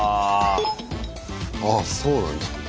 ああそうなんだ。